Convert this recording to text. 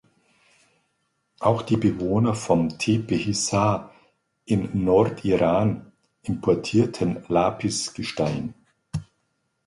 Auch die Bewohner vom Tepe Hissar in Nordiran importierten Lapis-Gestein.